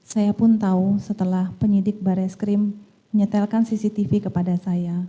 saya pun tahu setelah penyidik barai skrim menyetelkan cctv kepada saya